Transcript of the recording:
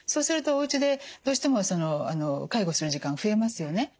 するとおうちでどうしても介護する時間増えますよね。